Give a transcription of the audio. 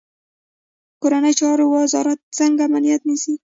کورنیو چارو وزارت څنګه امنیت نیسي؟